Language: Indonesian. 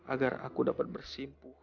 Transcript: agar aku dapat bersimpuh